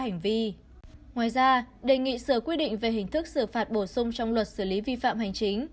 ngoài ra đề nghị sở quy định về hình thức xử phạt bổ sung trong luật xử lý vi phạm hành chính